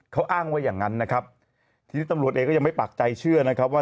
เขาอ้างว่าอย่างนั้นนะครับทีนี้ตำรวจเองก็ยังไม่ปากใจเชื่อนะครับว่า